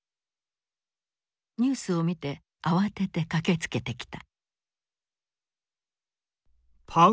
ニュースを見て慌てて駆けつけてきた。